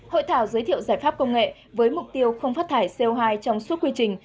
hội thảo giới thiệu giải pháp công nghệ với mục tiêu không phát thải co hai trong suốt quy trình